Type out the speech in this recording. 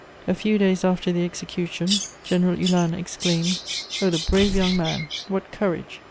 A few days after the execution, General Hulin exclaimed: "Oh, the brave young man! What courage!